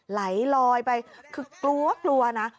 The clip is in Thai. ไหลลอยไปคือกลัวนะ